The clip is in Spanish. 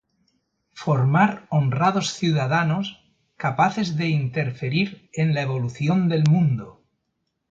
Formar honrados ciudadanos, "capaces de interferir en la evolución del mundo".